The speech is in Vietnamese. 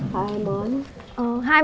hai món này